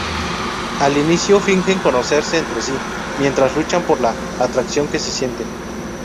Al inicio fingen conocerse entre sí, mientras luchan por la atracción que sienten.